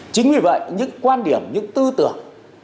chính vì vậy những quan điểm những tư tưởng